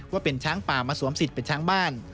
ว่าเป็นช้างป่ามาสวมสิทธิ์เป็นช้างบ้าน